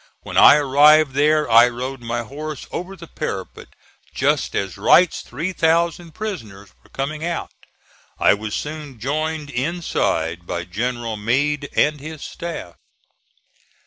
When I arrived there I rode my horse over the parapet just as Wright's three thousand prisoners were coming out. I was soon joined inside by General Meade and his staff.